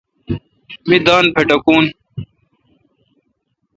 می دان پٹھکون۔